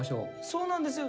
そうなんですよ。